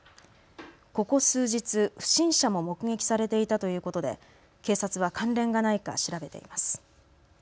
ここ数日、不審者も目撃されていたということで警察は関連がないか調べています。